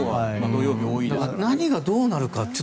何がどうなるのか。